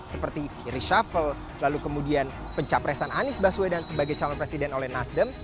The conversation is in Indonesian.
seperti reshuffle lalu kemudian pencapresan anies baswedan sebagai calon presiden oleh nasdem